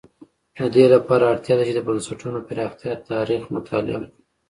د دې لپاره اړتیا ده چې د بنسټونو پراختیا تاریخ مطالعه کړو.